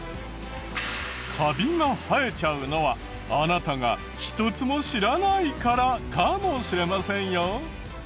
カビが生えちゃうのはあなたが１つも知らないからかもしれませんよ。